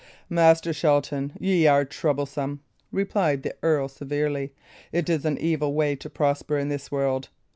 "Master Shelton, ye are troublesome," replied the earl, severely. "It is an evil way to prosper in this world.